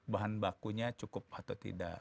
bahan bakunya cukup atau tidak